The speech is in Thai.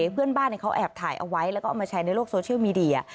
เพื่อนบ้านเขาแอบถ่ายเอาไว้แล้วก็เอามาแชร์ในโลกโซเชียลมีเดีย